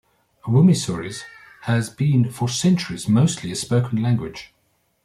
Wymysorys has been for centuries mostly a spoken language.